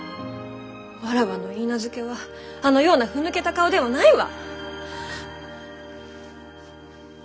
わらわの許嫁はあのような腑抜けた顔ではないわ！